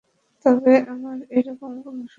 তবে আমার এরকম কোনো সমস্যা নেই!